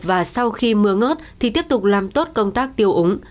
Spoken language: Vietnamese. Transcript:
và sau khi mưa ngớt thì tiếp tục làm tốt công tác tiêu úng